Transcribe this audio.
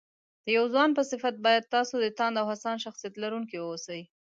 د يو ځوان په صفت بايد تاسو د تاند او هڅاند شخصيت لرونکي واوسئ